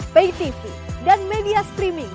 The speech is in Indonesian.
paytv dan media streaming